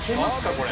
これ。